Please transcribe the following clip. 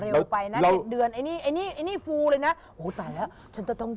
เร็วไปนะเดือนไอ้นี่ไอ้นี่ฟูเลยนะโอ้วตายแล้วฉันจะต้องดาวชาย